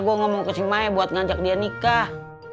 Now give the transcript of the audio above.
gua ngomong ke si maya buat ngajak dia nikah